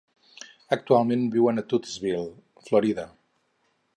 Actualment viuen a Titusville, Florida.